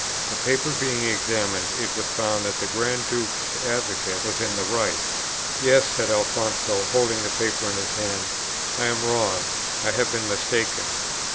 The paper being examined, it was found that the Grand Duke's advocate was in the right. 'Yes,' said Alfonso, holding the paper in his hand, 'I am wrong, I have been mistaken.'